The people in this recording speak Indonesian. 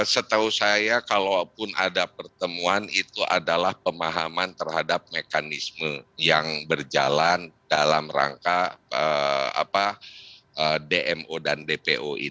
setahu saya kalaupun ada pertemuan itu adalah pemahaman terhadap mekanisme yang berjalan dalam rangka dmo dan dpo